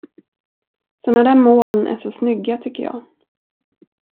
Sådana där moln är så snygga, tycker jag.